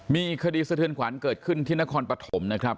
มีคดีสะเทือนขวัญเกิดขึ้นที่นครปฐมนะครับ